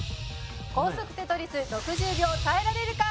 高速『テトリス』６０秒耐えられるか？